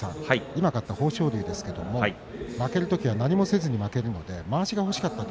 今、勝った豊昇龍ですが負けるときは何もせずに負けるので、まわしが欲しかった